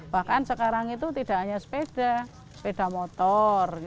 bahkan sekarang itu tidak hanya sepeda sepeda motor